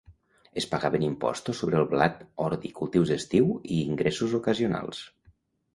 Es pagaven impostos sobre el blat, ordi, cultius d'estiu i ingressos ocasionals.